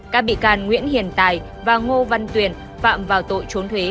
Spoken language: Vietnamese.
các bị can nguyễn hiền tài và ngô văn tuyển phạm vào tội trốn thuế